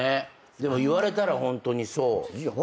でも言われたらホントにそう。